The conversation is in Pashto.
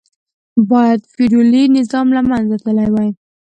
باید فیوډالي نظام له منځه تللی وای.